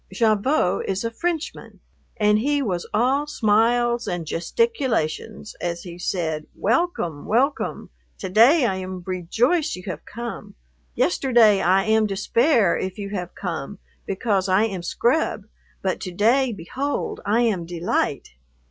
Gavotte is a Frenchman, and he was all smiles and gesticulations as he said, "Welcome, welcome! To day I am rejoice you have come. Yesterday I am despair if you have come because I am scrub, but to day, behold, I am delight."